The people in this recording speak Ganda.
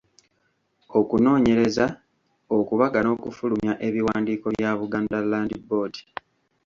Okunoonyereza, okubaga n’okufulumya ebiwandiiko bya Buganda Land Board.